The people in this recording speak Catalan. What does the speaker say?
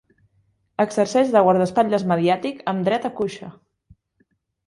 Exerceix de guardaespatlles mediàtic amb dret a cuixa.